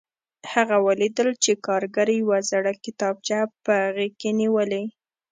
هغه ولیدل چې کارګر یوه زړه کتابچه په غېږ کې نیولې